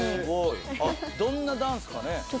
あっどんなダンスかね。